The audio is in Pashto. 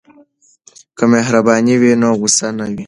که مهرباني وي نو غوسه نه وي.